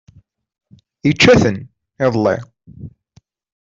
Ičča-ten, iḍelli!